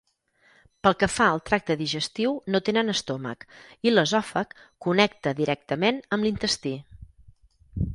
Pel que fa al tracte digestiu no tenen estómac i l'esòfag connecta directament amb l'intestí.